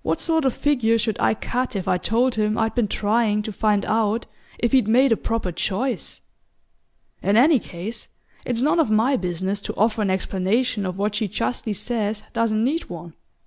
What sort of figure should I cut if I told him I'd been trying to find out if he'd made a proper choice? In any case, it's none of my business to offer an explanation of what she justly says doesn't need one.